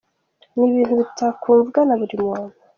Ni ibintu bitakumvwa na buri muntu.